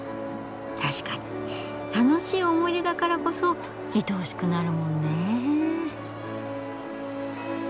確かに楽しい思い出だからこそ愛おしくなるもんね。